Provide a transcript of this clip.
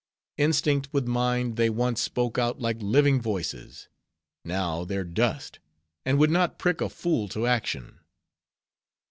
Instinct with mind, they once spoke out like living voices; now, they're dust; and would not prick a fool to action.